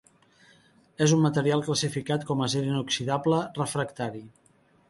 És un material classificat com acer inoxidable refractari.